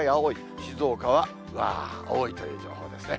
静岡はわー、多いという情報ですね。